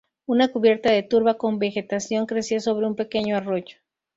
Una cubierta de turba con vegetación crecía sobre un pequeño arroyo.